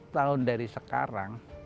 seratus tahun dari sekarang